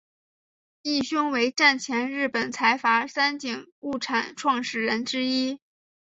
义兄为战前日本财阀三井物产创始人之一。